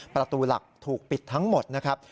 ประตูหลักถูกปิดทั้งหมดนะครับ